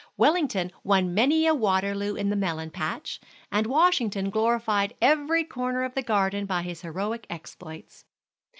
Wellington won many a Waterloo in the melon patch, and Washington glorified every corner of the garden by his heroic exploits.